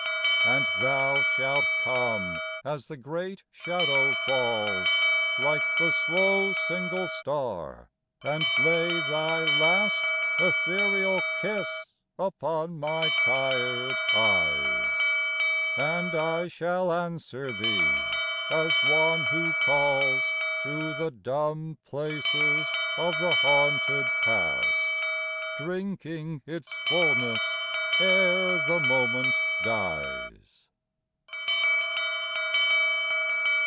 And thou shalt come as the great shadow falls, Like the slow single star, and lay thy last Ethereal kiss upon my tired eyes ; And I shall answer thee as one who calls Through the dumb places of the haunted past, Drinking its fulness ere the moment dies.